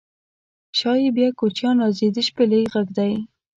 شایي بیا کوچیان راځي د شپیلۍ غږدی